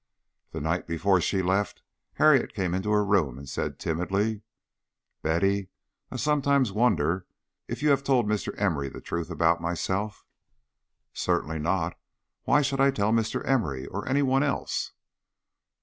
The night before she left Harriet came into her room and said timidly, "Betty, I sometimes wonder if you have told Mr. Emory the truth about myself " "Certainly not. Why should I tell Mr. Emory or anyone else?"